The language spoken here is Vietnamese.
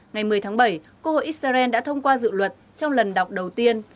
ngày một mươi tháng bảy cô hội xrn đã thông qua dự luật trong lần đọc đầu tiên